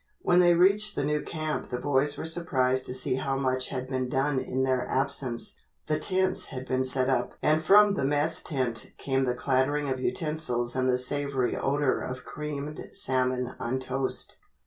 When they reached the new camp the boys were surprised to see how much had been done in their absence. The tents had been set up and from the mess tent came the clattering of utensils and the savory odor of creamed salmon on toast.